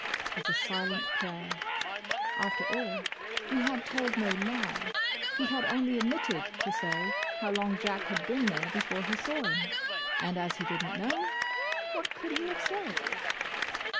as a silent prayer. After all, he had told no lie. He had only omitted to say how long Jack had been there before he saw him. And as he did n't know, what could he have said?